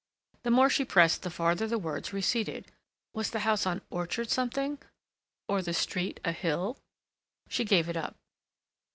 The more she pressed the farther the words receded. Was the house an Orchard Something, on the street a Hill? She gave it up.